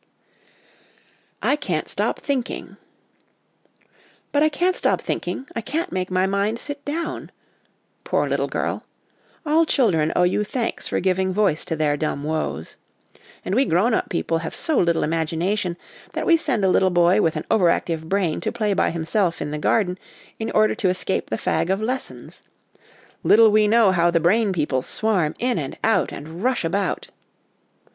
'I can't stop thinking.' 'But I can't stop thinking ; I can't make my mind sit down !' Poor little girl ! All children owe you thanks for giving voice to their dumb woes. And we grown up people have so little imagination, that we send a little boy with an over active brain to play by himself in the garden in order to escape the fag of lessons. Little we know how the brain people swarm in and out and rush about!